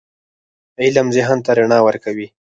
علم ذهن ته رڼا ورکوي.